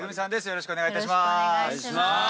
よろしくお願いします。